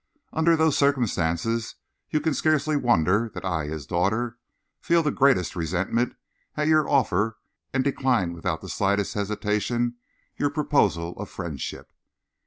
Under those circumstances, you can scarcely wonder that I, his daughter, feel the greatest resentment at your offer and decline without the slightest hesitation your proposal of friendship.